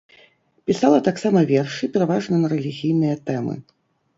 Пісала таксама вершы, пераважна на рэлігійныя тэмы.